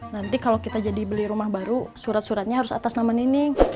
nanti kalau kita jadi beli rumah baru surat suratnya harus atas nama nining